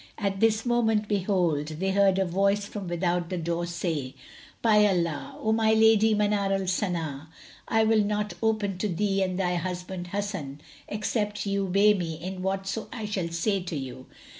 At this moment, behold, they heard a voice from without the door say, "By Allah, O my lady Manar al Sana, I will not open to thee and thy husband Hasan, except ye obey me in whatso I shall say to you!"